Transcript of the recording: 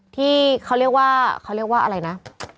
ที่เขาเรียกว่าเขาเรียกว่าอะไรนะ